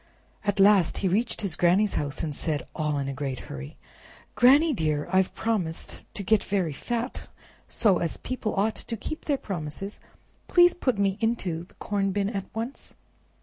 At last he reached his Granny's house, and said, all in a great hurry, "Granny, dear, I've promised to get very fat; so, as people ought to keep their promises, please put me into the corn bin at once."